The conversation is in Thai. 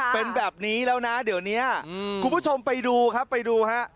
เป็นแบบนี้แล้วนะเดี๋ยวนี้คุณผู้ชมไปดูครับไปดูฮะ